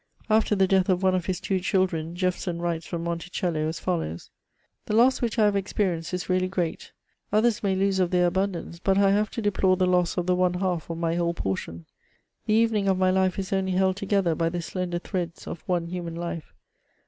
After the death of one of his two children, Jefferson writes from Monticello, as follows :—The loss which I have eanperienced is really great ; others may lose of their abundance ; but I have to deplore the loss of the one half of my whole portion. The evening of my life is only held together by the sltoder threads of one human life.